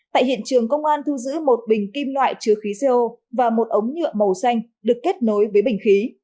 tại hiện trường công an thu giữ một bình kim loại chứa khí co và một ống nhựa màu xanh được kết nối với bình khí